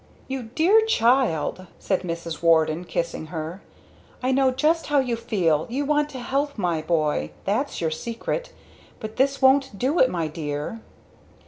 "You dear child!" said Mrs. Warden, kissing her. "I know just how you feel! You want to help my boy! That's your secret! But this won't do it, my dear!"